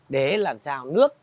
để làm sao nước